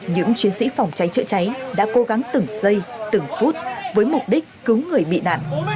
những chiến sĩ phòng cháy chữa cháy đã cố gắng từng giây từng phút với mục đích cứu người bị nạn